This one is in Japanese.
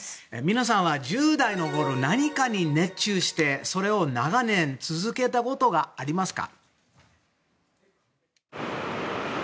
皆さんは１０代のころ何かに熱中してそれを長年続けたことがありますか？